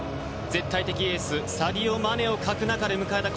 絶対的エースサディオ・マネを欠く中で迎えた